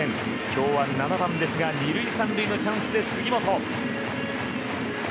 今日は７番ですが２塁３塁のチャンスで杉本。